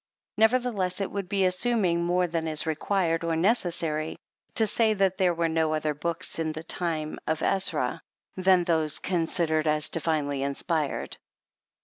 Nevertheless, it would be assuming more than is required or necessary, to say that there were no other books in the time of Ezra, than those considered as dii'inely inspired.